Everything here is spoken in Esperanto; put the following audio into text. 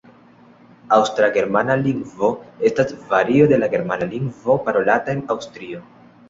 Aŭstra-germana lingvo estas vario de la Germana lingvo parolata en Aŭstrio.